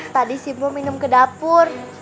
tadi si bu minum ke dapur